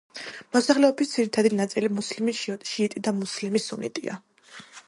მოსახლეობის ძირითადი ნაწილი მუსლიმი შიიტი და მუსლიმი სუნიტია.